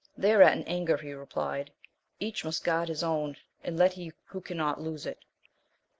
Thereat in anger he replied, Each must guard his own, and let he who cannot, lose it.